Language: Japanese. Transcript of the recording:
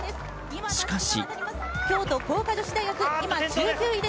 しかし。